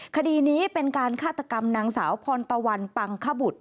คดีนี้เป็นการฆาตกรรมนางสาวพรตะวันปังขบุตร